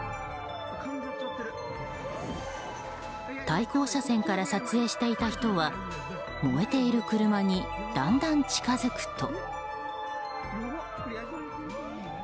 対向車線から撮影していた人は燃えている車にだんだん近づくと。